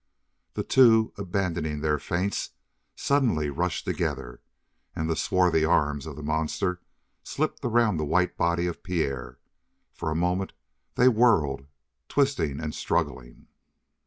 The two, abandoning their feints, suddenly rushed together, and the swarthy arms of the monster slipped around the white body of Pierre. For a moment they whirled, twisting and struggling.